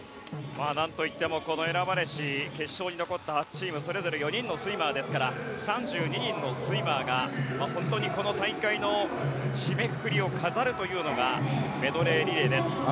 なんといってもこの選ばれし決勝に残ったチームそれぞれ４人のスイマーですから３２人のスイマーがこの大会の締めくくりを飾るというのがメドレーリレーです。